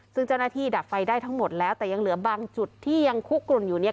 ซึ่งเจ้าหน้าที่ดับไฟได้ทั้งหมดแล้วแต่ยังเหลือบางจุดที่ยังคุกกลุ่นอยู่เนี่ย